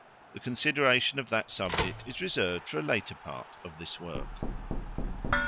The consideration of that subject is reserved for a later part of this work.